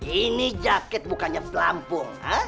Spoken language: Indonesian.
ini jaket bukannya pelampung